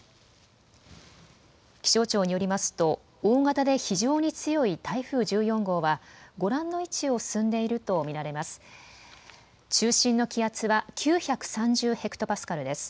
気象庁によりますと、大型で非常に強い台風１４号は、ご覧の位置を進んでいると見られます。